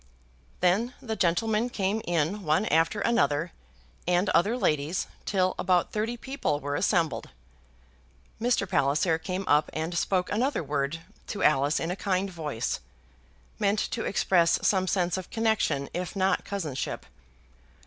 Then the gentlemen came in one after another, and other ladies, till about thirty people were assembled. Mr. Palliser came up and spoke another word to Alice in a kind voice, meant to express some sense of connection if not cousinship.